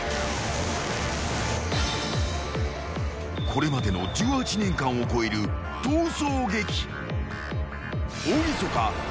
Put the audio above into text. ［これまでの１８年間を超える逃走劇］